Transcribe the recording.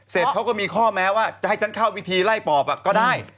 เขาก็มีข้อแม้ว่าจะให้ฉันเข้าวิธีไล่ปอบก็ได้